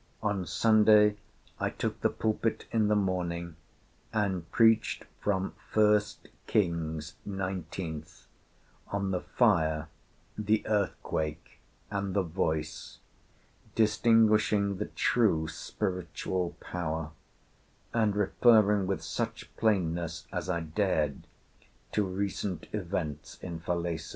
On Sunday I took the pulpit in the morning, and preached from First Kings, nineteenth, on the fire, the earthquake, and the voice, distinguishing the true spiritual power, and referring with such plainness as I dared to recent events in Falesá.